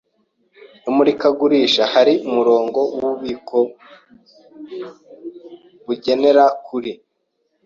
Imurikagurisha hari umurongo wububiko bugera kuri .